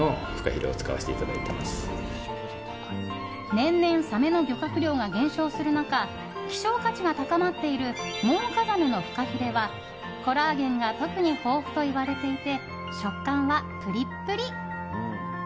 年々サメの漁獲量が減少する中希少価値が高まっているモウカザメのフカヒレはコラーゲンが特に豊富といわれていて食感はプリップリ。